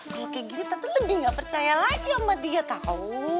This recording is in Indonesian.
kalau kayak gini tapi lebih nggak percaya lagi sama dia tau